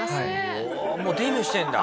もうデビューしてるんだ。